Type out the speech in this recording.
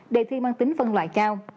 để thi mang tính phân loại cao